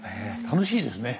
楽しいですね。